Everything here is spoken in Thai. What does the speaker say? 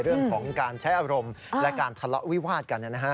เรื่องของการใช้อารมณ์และการทะเลาะวิวาดกัน